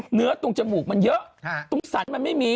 เหนือตรงจมูกมันเยอะตรงสัตว์มันไม่มี